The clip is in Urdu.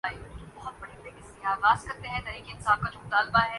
لندن ویب ڈیسک کینسر کے علاج کی نئی تحقیق نے اس دنیا میں تہلکہ مچا دیا ہے